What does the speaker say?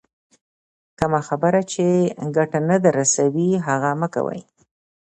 کمه خبر چي ګټه نه در رسوي، هغه مه کوئ!